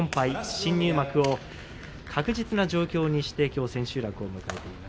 新入幕を確実な状況にしてきょう千秋楽を迎えています。